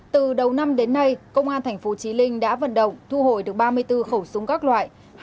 từ đầu năm đến nay công an tp trí linh đã vận động thu hồi được ba mươi bốn khẩu súng các loại